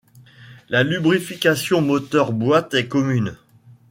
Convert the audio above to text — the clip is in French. La lubrification moteur-boîte est commune.